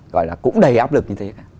gọi là cũng đầy áp lực như thế